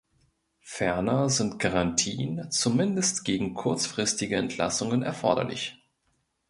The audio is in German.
Ferner sind Garantien zumindest gegen kurzfristige Entlassungen erforderlich.